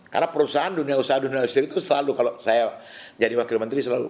karena perusahaan dunia usaha dunia industri itu selalu kalau saya jadi wakil menteri selalu